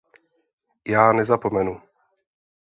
Já nezapomenu!